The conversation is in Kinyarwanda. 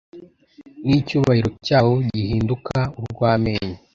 n'icyubahiro cyawo gihinduka urw'amenyo